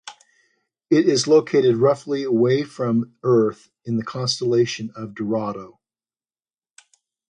It is located roughly away from Earth in the constellation of Dorado.